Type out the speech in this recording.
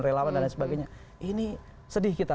relawan dan lain sebagainya ini sedih kita